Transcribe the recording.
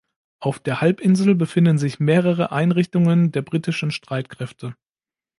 Auf der Halbinsel befinden sich mehrere Einrichtungen der britischen Streitkräfte.